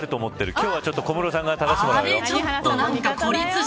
今日は小室さん側に立たせてもらうよ。